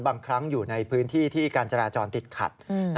บางครั้งอยู่ในพื้นที่ที่การจราจรติดขัด